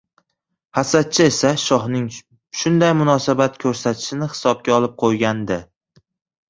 Hasadchi esa shohning shunday munosabat koʻrsatishini hisobga olib qoʻygandi: